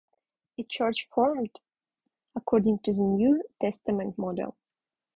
A church formed according to the New Testament model.